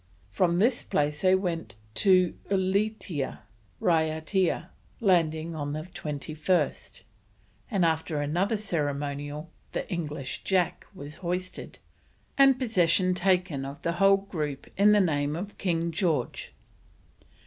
From this place they went on to Ulietea (Raiatea), landing on the 21st; and after another ceremonial the English "Jack" was hoisted, and possession taken of the whole group in the name of King George.